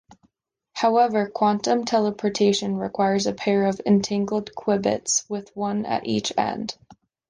However, quantum teleportation requires a pair of entangled qubits with one at each end.